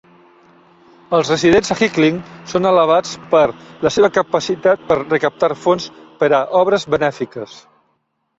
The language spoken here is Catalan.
Els residents a Hickling són alabats per la seva capacitat per recaptar fons per a obres benèfiques.